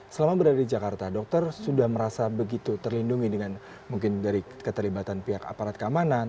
selama berada di jakarta dokter sudah merasa begitu terlindungi dengan mungkin dari keterlibatan pihak aparat keamanan